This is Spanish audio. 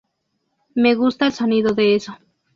Me gusta el sonido de eso".